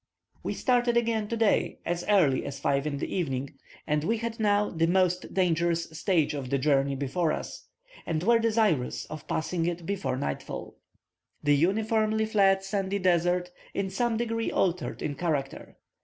We started again today, as early as 5 in the evening, as we had now the most dangerous stage of the journey before us, and were desirous of passing it before nightfall. The uniformly flat sandy desert in some degree altered in character.